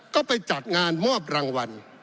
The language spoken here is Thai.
ก็ไปจัดงานมอบรางวัล